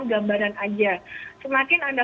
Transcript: gambaran aja semakin anda